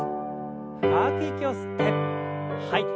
深く息を吸って吐いて。